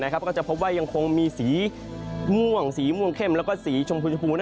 ก็จะพบว่ายังคงมีสีม่วงเสียงสีม่วงเข้มและสีชมพูน